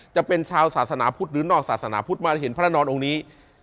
จะเป็นชาวศาสนาพุทธหรือนอกศาสนาพุทธมาเห็นพระนอนองค์นี้